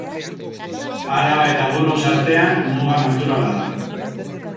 Araba eta Burgos artean, muga naturala da.